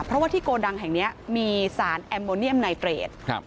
เพราะว่าที่โกดังแห่งนี้มีสารแอมโมเนียมไนเตรดครับ